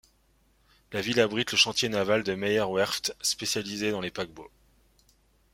La ville abrite le chantier naval de Meyer Werft, spécialisé dans les paquebots.